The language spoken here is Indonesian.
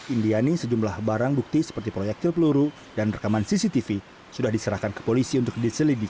indiani sejumlah barang bukti seperti proyektil peluru dan rekaman cctv sudah diserahkan ke polisi untuk diselidiki